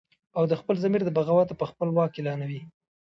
او د خپل ضمیر د بغاوته به خپل واک اعلانوي